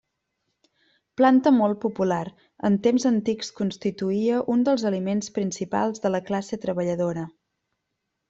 Planta molt popular, en temps antics constituïa un dels aliments principals de la classe treballadora.